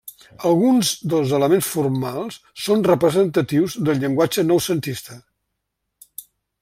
Alguns dels elements formals són representatius del llenguatge noucentista.